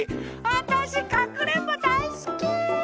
あたしかくれんぼだいすき！